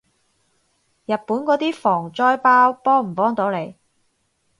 日本嗰啲防災包幫唔幫到你？